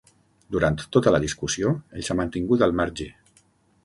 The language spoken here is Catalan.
Durant tota la discussió, ell s'ha mantingut al marge.